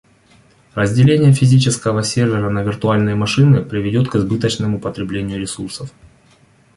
Разделение физического сервера на виртуальные машины приведет к избыточному потреблению ресурсов